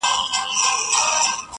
زه چي قدم پر قدم ږدم تا یادومه،